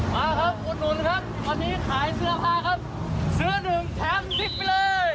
มาครับอุดหนุนครับตอนนี้ขายเสื้อผ้าครับเสื้อหนึ่งแถมสิบไปเลย